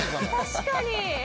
確かに！